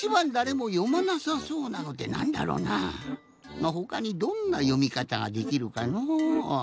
まあほかにどんなよみかたができるかのう？